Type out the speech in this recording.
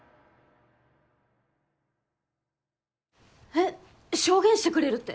えっ証言してくれるって！？